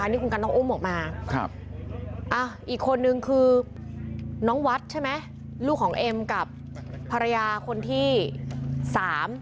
นี่คุณกันต้องอุ้มออกมาครับอ่ะอีกคนนึงคือน้องวัดใช่ไหมลูกของเอ็มกับภรรยาคนที่สาม